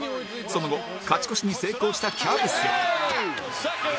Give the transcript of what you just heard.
その後勝ち越しに成功したキャブス